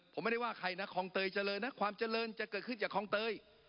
ผมไม่ได้ว่าใครนะคลองเตยเจริญนะความเจริญจะเกิดขึ้นจากคลองเตย